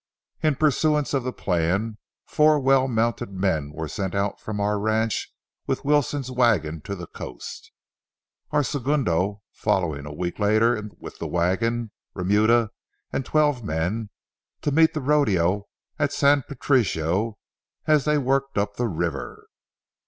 In pursuance of the plan four well mounted men were sent from our ranch with Wilson's wagon to the coast, our segundo following a week later with the wagon, remuda and twelve men, to meet the rodeo at San Patricio as they worked up the river.